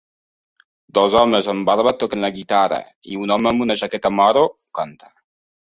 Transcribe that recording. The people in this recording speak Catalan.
Dos homes amb barba toquen la guitarra i un home amb una jaqueta marró canta.